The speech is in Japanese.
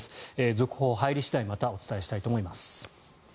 続報が入り次第またお伝えしたいと思います。